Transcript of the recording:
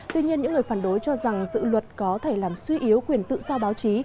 tuy nhiên những người phản đối cho rằng dự luật có thể làm suy yếu quyền tự do báo chí